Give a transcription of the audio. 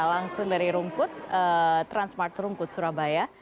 langsung dari rungkut transmartrungkut surabaya